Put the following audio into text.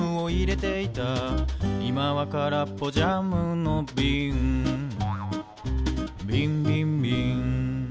「いまはからっぽジャムのびん」「びんびんびん」